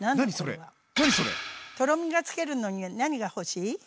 とろみがつけるのに何が欲しい？